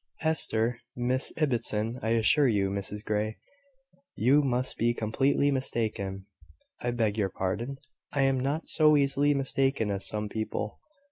"Hester! Miss Ibbotson! I assure you, Mrs Grey, you must be completely mistaken." "I beg your pardon: I am not so easily mistaken as some people.